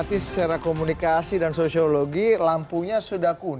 terima kasih oh ma'am